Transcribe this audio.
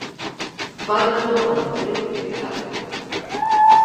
Pando mantén o liderado.